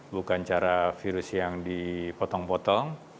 bukan cara virus yang dipotong potong